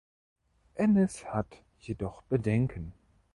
Ennis hat jedoch Bedenken.